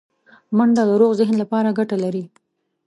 منډه د روغ ذهن لپاره ګټه لري